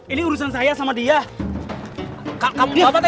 ini urusan saya sama dia